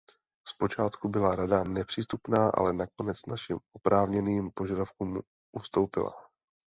Zpočátku byla Rada nepřístupná, ale nakonec našim oprávněným požadavkům ustoupila.